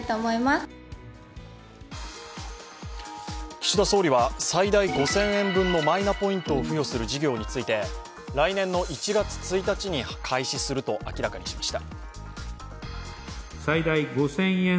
岸田総理は最大５０００円分のマイナポイントを付与する事業について、来年の１月１日に開始すると明らかにしました。